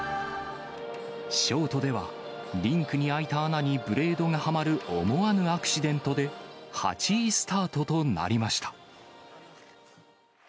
ショートでは、リンクに開いた穴にブレードがはまる思わぬアクシデントで８位スタートとなりました。